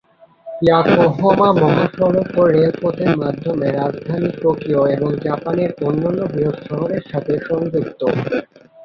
Yokohama মহাসড়ক ও রেলপথের মাধ্যমে রাজধানী টোকিও এবং জাপানের অন্যান্য বৃহৎ শহরের সাথে সংযুক্ত।